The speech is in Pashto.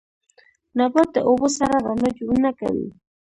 نبات د اوبو سره رڼا جوړونه کوي